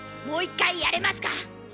もう一回やれますか？